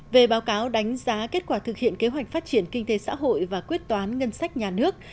về báo cáo đánh giá kết quả thực hiện kế hoạch phát triển kinh tế xã hội và quyết toán ngân sách nhà nước